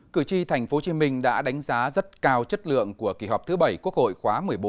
cử tri tp hcm đã đánh giá rất cao chất lượng của kỳ họp thứ bảy quốc hội khóa một mươi bốn